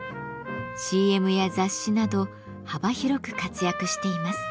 ＣＭや雑誌など幅広く活躍しています。